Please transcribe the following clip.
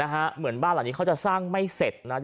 เหมือนบ้านหลังนี้เขาจะสร้างไม่เสร็จนะ